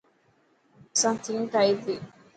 اسان ٿيم ٺائي تي.